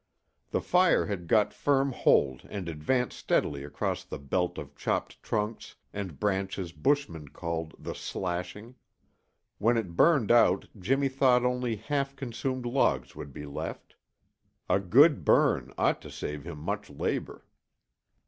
The fire had got firm hold and advanced steadily across the belt of chopped trunks and branches bushmen call the slashing. When it burned out Jimmy thought only half consumed logs would be left. A good burn ought to save him much labor.